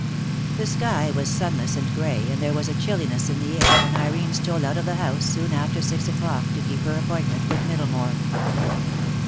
The sky was sunless and grey, and there was a chilliness in the air when Irene stole out of the house soon after six o'clock to keep her appoint ment with Middlemore.